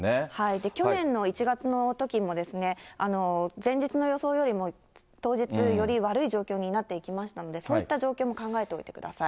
去年の１月のときも前日の予想よりも、当日より悪い状況になっていきましたんで、そういった状況も考えておいてください。